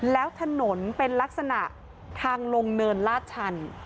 แล้วถนนเป็นลักษณะทางลงเนินลาดชัน